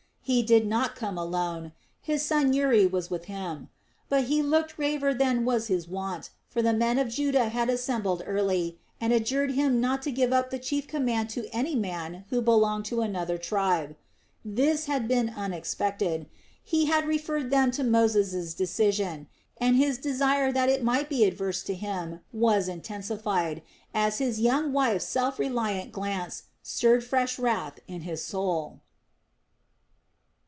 He did not come alone; his son Uri was with him. But he looked graver than was his wont; for the men of Judah had assembled early and adjured him not to give up the chief command to any man who belonged to another tribe. This had been unexpected. He had referred them to Moses' decision, and his desire that it might be adverse to him was intensified, as his young wife's self reliant glance stirred fresh wrath in his soul.